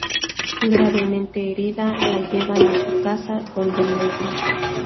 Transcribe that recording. Gravemente herida, la llevan a su casa, donde muere.